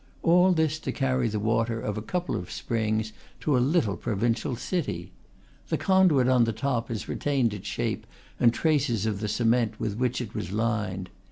All this to carry the water of a couple of springs to a little provincial city! The con duit on the top has retained its shape and traces of the cement with which it was lined.